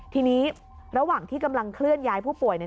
ทีนี้ระหว่างที่กำลังเคลื่อนย้ายผู้ป่วย